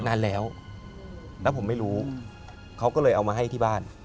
นานแล้วแล้วผมไม่รู้เขาก็เลยเอามาให้ที่บ้าน